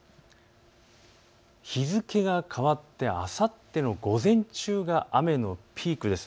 日付が変わってあさっての午前中から雨のピークです。